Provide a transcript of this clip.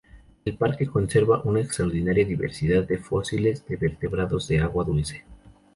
El parque conserva una extraordinaria diversidad de fósiles de vertebrados de agua dulce.